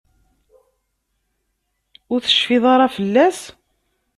Ur tecfiḍ ara fell-as?